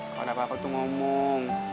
kalau dapet aku tuh ngomong